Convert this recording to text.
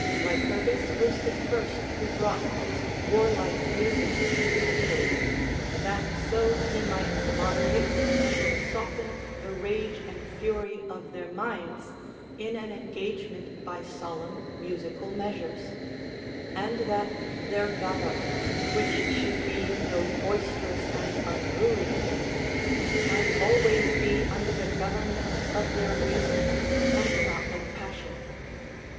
Lycurgus was the first who brought this war like music into the field, that so he might moderate and soften tlie rage and fury of their minds in an engagement by solemn musical measures, and that their valor (which should be no boisterous and unruly thing) might always be under the government of their reason, and not of passion.